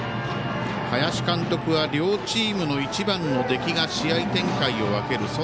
林監督は両チームの１番の出来が試合展開を分ける。